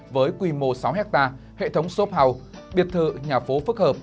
với quy mô sáu hectare hệ thống xốp hầu biệt thự nhà phố phức hợp